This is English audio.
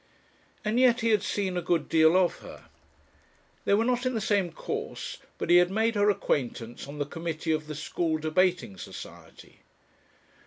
And yet he had seen a good deal of her. They were not in the same course, but he had made her acquaintance on the committee of the school Debating Society.